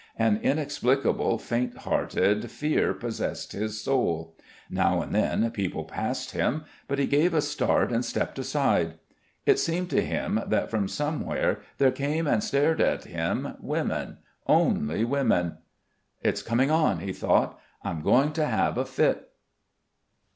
An inexplicable faint hearted fear possessed his soul. Now and then people passed him; but he gave a start and stepped aside. It seemed to him that from everywhere there came and stared at him women, only women.... "It's coming on," he thought, "I'm going to have a fit."